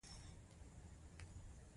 انحصاراتو سیالي له منځه نه ده وړې